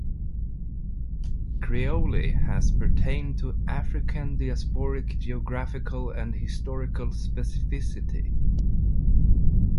Creole has pertained to "African-diasporic geographical and historical specificity".